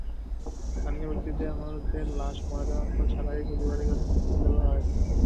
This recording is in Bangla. স্থানীয় ব্যক্তিদের অনুরোধে লাশ ময়নাতদন্ত ছাড়াই পরিবারের কাছে হস্তান্তর করা হয়েছে।